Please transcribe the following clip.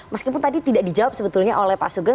meskipun tadi tidak dijawab sebetulnya oleh pak sugeng